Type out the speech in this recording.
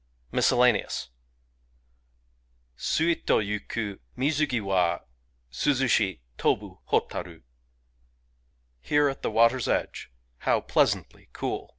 * Miscellaneous Suito yuku, Mizu gi wa suzushi, Tobu hotaru ! Here at the water's edge, how pleasantly cool!